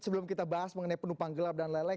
sebelum kita bahas mengenai penumpang gelap dan lain lain